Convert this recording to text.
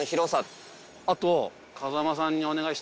あと。